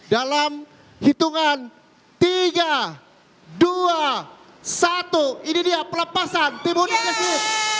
dalam hitungan tiga dua satu ini dia pelepasan timunik gesit dua ribu dua puluh empat